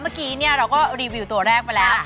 เมื่อกี้เราก็รีวิวตัวแรกไปแล้ว